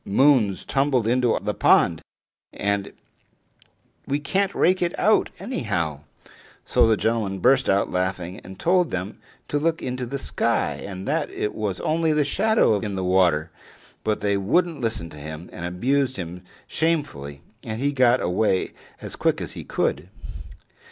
Moon's tumbled into the pond, and we can't rake her out anyhow!" So the gentleman burst out laughing, and told them to look up into the sky, and that it was only the shadow in the water. But they wouldn't listen to him, and abused him shamefully and he got away as quick as he could.